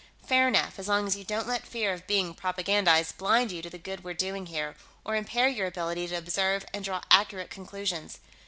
"Fair enough, as long as you don't let fear of being propagandized blind you to the good we're doing here, or impair your ability to observe and draw accurate conclusions.